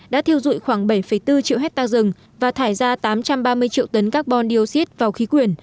đã thiêu dụi khoảng bảy bốn triệu hectare rừng và thải ra tám trăm ba mươi triệu tấn carbon dioxide vào khí quyển